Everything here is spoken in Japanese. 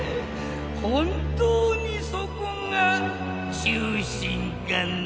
本当にそこが中心かな？